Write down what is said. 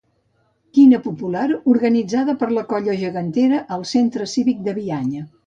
Quina popular organitzada per la Colla Gegantera al Centre Cívic de Bianya.